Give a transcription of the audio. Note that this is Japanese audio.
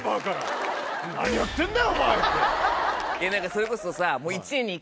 それこそさもう。